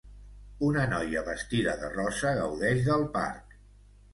Una noia vestida de rosa gaudeix del parc.